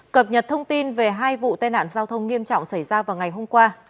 cập nhật thông tin về hai vụ tai nạn giao thông nghiêm trọng xảy ra vào ngày hôm qua